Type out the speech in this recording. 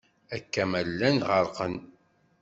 Akken ma llan ɣerqen.